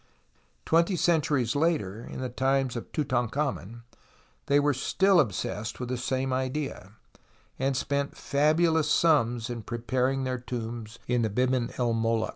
Twenty centuries later, in the times of Tutankliamen, they were still obsessed with the same idea, and spent fabulous sums in preparing their tombs in the Biban el Moluk.